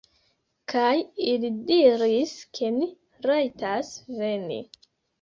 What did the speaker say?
kaj ili diris, ke ni rajtas veni